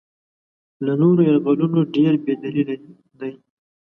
له نورو یرغلونو ډېر بې دلیله دی.